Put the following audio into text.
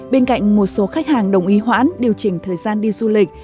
bên cạnh một số khách hàng đồng ý hoãn điều chỉnh thời gian đi du lịch